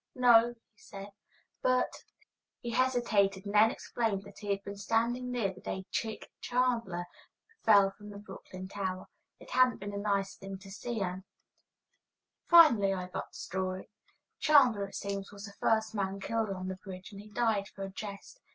"No," he said, "but " He hesitated, and then explained that he had been standing near the day "Chick" Chandler fell from the Brooklyn tower. It hadn't been a nice thing to see, and Finally I got the story. Chandler, it seems, was the first man killed on the bridge, and he died for a jest.